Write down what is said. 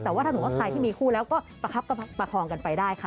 แต่ว่าถ้าสมมุติว่าใครที่มีคู่แล้วก็ประคับประคองกันไปได้ค่ะ